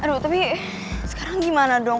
aduh tapi sekarang gimana dong